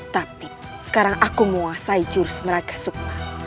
tapi sekarang aku menguasai jurus meragasuklah